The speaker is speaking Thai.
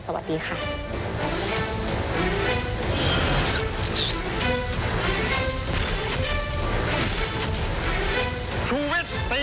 สวัสดีค่ะ